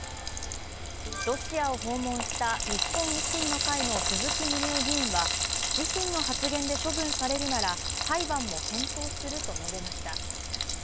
ロシアを訪問した日本維新の会の鈴木宗男参議院議員は自身の発言で処分されるなら、裁判も検討すると述べました。